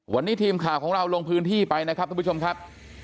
วันนี้ทีมข่าวของเราลงพื้นที่ไปนะครับทุกผู้ชมครับ